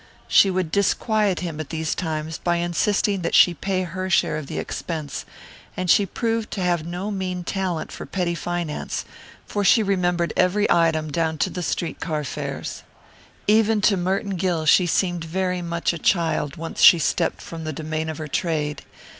She would disquiet him at these times by insisting that she pay her share of the expense, and she proved to have no mean talent for petty finance, for she remembered every item down to the street car fares. Even to Merton Gill she seemed very much a child once she stepped from the domain of her trade.